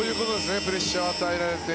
プレッシャーを与えられて。